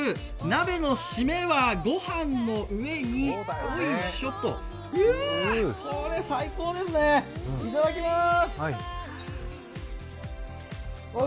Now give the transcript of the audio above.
鍋の締めはごはんの上にこれ、最高ですね、いただきまーす。